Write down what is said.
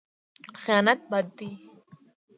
خیانت بد دی.